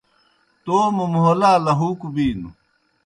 توموْ مھلا لہُوکوْ بِینوْ